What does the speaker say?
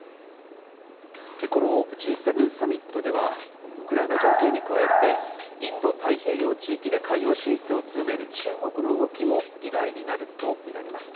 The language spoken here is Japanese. このＧ７サミットでは、ウクライナ情勢に加えて、インド太平洋地域で海洋進出を強める中国の動きも議題になると見られます。